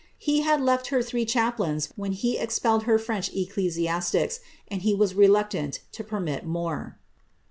He had left her three chaplains when he expelled her French ecclesiastics, and he was reluctant to permit more.